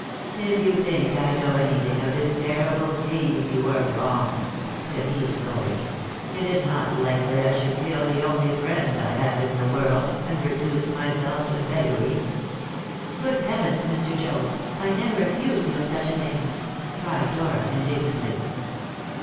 "If you think I know anything of this terrible deed, you are wrong," said he slowly; "it is not likely I should kill the only friend I have in the world, and reduce myself to beggary." "Good heavens, Mr. Joad! I never accused you of such a thing!" cried Dora indignantly.